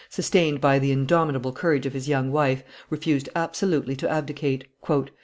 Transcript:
sustained by the indomitable courage of his young wife, refused absolutely to abdicate.